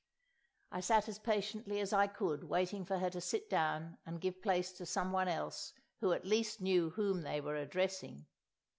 I sat as patiently as I could waiting for her to sit down and give place to someone else, who, at least, knew whom they were addressing.